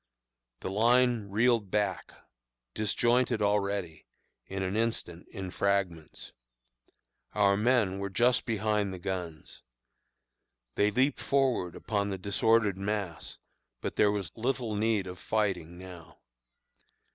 "The line reeled back disjointed already in an instant in fragments. Our men were just behind the guns. They leaped forward upon the disordered mass; but there was little need of fighting now.